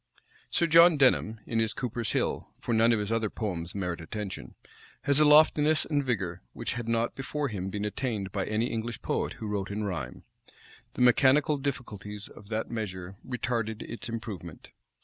Sir John Denham, in his Cooper's Hill, (for none of his other poems merit attention,) has a loftiness and vigor which had not before him been attained by any English poet who wrote in rhyme. The mechanical difficulties of that measure retarded its improvement.